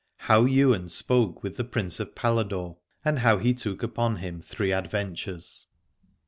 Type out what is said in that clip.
HOW YWAIN SPOKE WITH THE PRINCE OF PALADORE AND HOW HE TOOK UPON HIM THREE ADVENTURES.